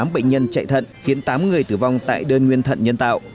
một mươi tám bệnh nhân chạy thận khiến tám người tử vong tại đơn nguyên thận nhân tạo